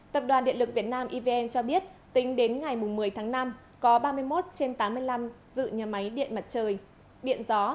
tập đoàn điện lực việt nam evn cho biết tính đến ngày một mươi tháng năm có ba mươi một trên tám mươi năm dự nhà máy điện mặt trời điện gió